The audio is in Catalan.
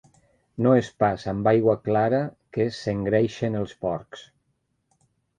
No és pas amb aigua clara que s'engreixen els porcs.